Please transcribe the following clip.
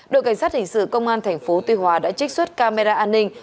đội cảnh sát hình sự công an tp tuy hòa đã trích xuất camera an ninh